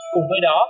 cùng với đó